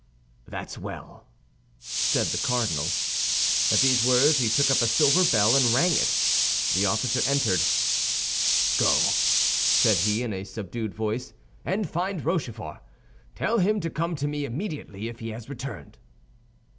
"That's well," said the cardinal. At these words he took up a silver bell, and rang it; the officer entered. "Go," said he, in a subdued voice, "and find Rochefort. Tell him to come to me immediately, if he has returned."